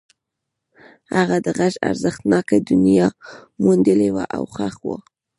هغه د غږ ارزښتناکه دنيا موندلې وه او خوښ و.